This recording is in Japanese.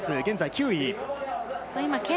現在９位。